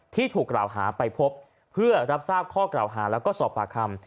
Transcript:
ที่ถูกกล่าวหาไปพบเพื่อรับทราบข้อกล่าวหาแล้วก็สอบปากคำ